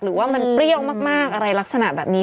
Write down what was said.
หรือว่ามันเปรี้ยวมากอะไรลักษณะแบบนี้